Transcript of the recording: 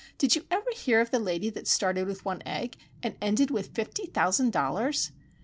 Did you ever hear of the lady that started with one egg, and ended with fifty thousand dollars?